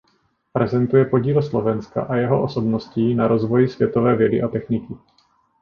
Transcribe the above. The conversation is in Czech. Prezentuje podíl Slovenska a jeho osobností na rozvoji světové vědy a techniky.